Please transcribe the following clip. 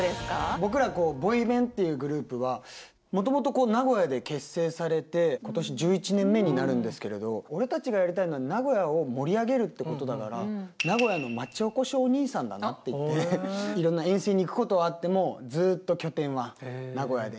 僕らこうボイメンっていうグループはもともと名古屋で結成されて今年１１年目になるんですけれど俺たちがやりたいのは名古屋を盛り上げるってことだからいろんな遠征に行くことはあってもずっと拠点は名古屋で。